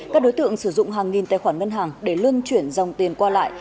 các đối tượng sử dụng hàng nghìn tài khoản ngân hàng để lươn chuyển dòng tiền qua lại